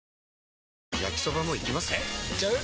えいっちゃう？